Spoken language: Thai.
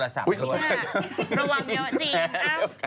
อะไรครับประวังเดี๋ยวจริงอ้าว